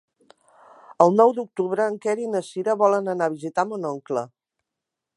El nou d'octubre en Quer i na Cira volen anar a visitar mon oncle.